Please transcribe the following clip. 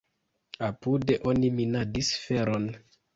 Apude oni minadis feron.